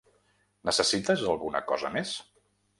Necessites alguna cosa més?